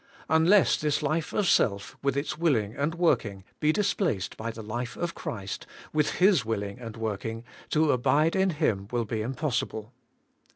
Un less this life of self, with its willing and working, be displaced by the life of Christ, with His willing and working, to abide in Him will be impossible.